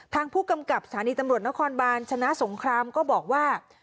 ทางผู้กำกับสถานีตำรวจนครบาลชนะสงครามก็บอกว่า